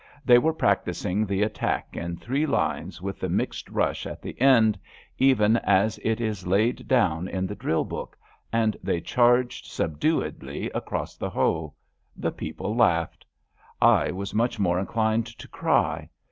They were practising the attack in three lines with the 214 ABAFT THE FUNNEL mixed rush at the end, even as it is laid down in the drill book, and they charged subduedly across the Hoe. The people laughed. I was much more inclined to cry.